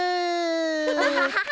ハハハハ。